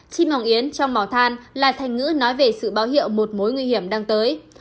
chim mỏng yến trong màu than là thành ngữ nói về sự báo hiệu một mối nguy hiểm đang tới